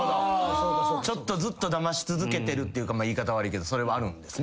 ずっとだまし続けてるっていうか言い方悪いけどそれはあるんですね。